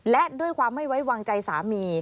และด้วยความไม่ไว้วางใจสามี